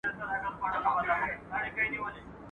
o د گونگى په ژبه خپله مور ښه پوهېږي.